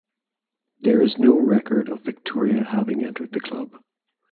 There is no record of Victoria having entered the club.